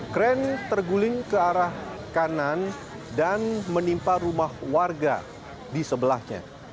kren terguling ke arah kanan dan menimpa rumah warga di sebelahnya